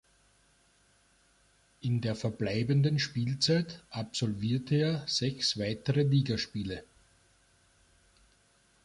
In der verbleibenden Spielzeit absolvierte er sechs weitere Ligaspiele.